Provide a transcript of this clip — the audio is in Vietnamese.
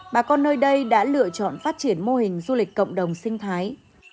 bà con nơi đây đã lựa chọn phát triển mô hình du lịch cộng đồng sinh thái